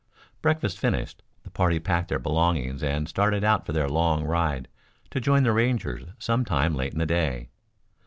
Breakfast finished the party packed their belongings and started out for their long ride to join the Rangers sometime late in the day.